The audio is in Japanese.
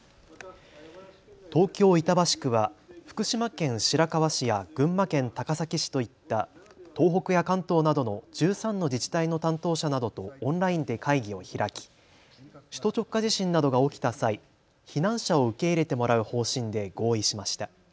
東京板橋区は福島県白河市や群馬県高崎市といった東北や関東などの１３の自治体の担当者などとオンラインで会議を開き首都直下地震などが起きた際、避難者を受け入れてもらう方針で合意しました。